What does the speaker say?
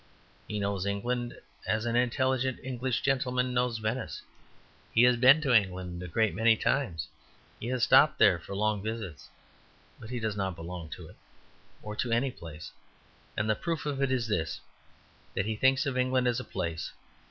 He knows England as an intelligent English gentleman knows Venice. He has been to England a great many times; he has stopped there for long visits. But he does not belong to it, or to any place; and the proof of it is this, that he thinks of England as a place.